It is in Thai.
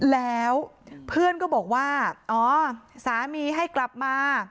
แล้วเพื่อนก็บอกว่าอ๋อสามีให้กลับมา